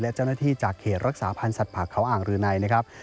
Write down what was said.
และเจ้าหน้าที่จากเขตรักษาพันธ์สัตว์เขาอ่างรืนัยนะครับ